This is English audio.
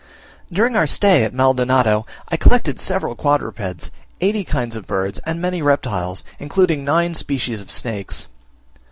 During our stay at Maldonado I collected several quadrupeds, eighty kinds of birds, and many reptiles, including nine species of snakes.